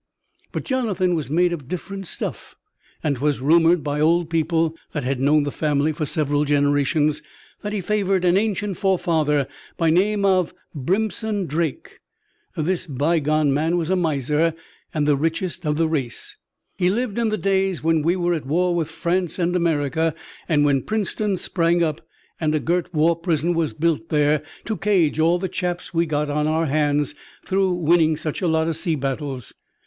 But Jonathan was made of different stuff, and 'twas rumored by old people that had known the family for several generations that he favored an ancient forefather by name of Brimpson Drake. This bygone man was a miser and the richest of the race. He'd lived in the days when we were at war with France and America, and when Princetown sprang up, and a gert war prison was built there to cage all the chaps we got on our hands through winning such a lot o' sea battles.